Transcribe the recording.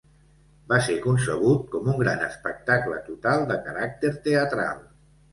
Va ser concebut com un gran espectacle total de caràcter teatral.